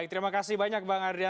ya terima kasih bang adrianus meliala